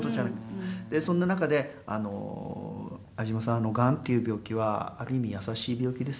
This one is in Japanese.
そんな中で「相島さんがんっていう病気はある意味優しい病気ですよね」